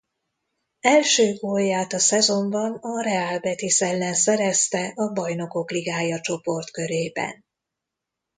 Első gólját a szezonban a Real Betis ellen szerezte a Bajnokok Ligája csoportkörében.